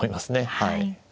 はい。